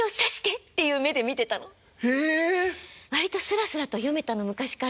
割とすらすらと読めたの昔から。